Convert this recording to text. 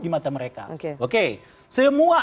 di mata mereka oke semua